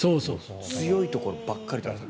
強いところばっかりと当たる。